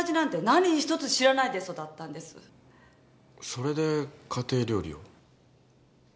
それで家庭料理を？